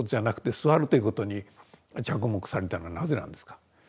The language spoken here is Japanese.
座るということに着目されたのはなぜなんですか？